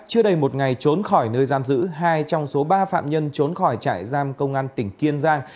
chưa đầy một ngày trốn khỏi nơi giam giữ hai trong số ba phạm nhân trốn khỏi trại giam công an tỉnh kiên giang